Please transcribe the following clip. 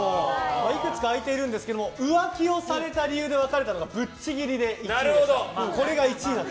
いくつか空いているんですけど浮気をされて別れたがぶっちぎりで１位でした。